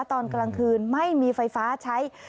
ตอนกลางคืนไม่มีไฟฟ้าใช้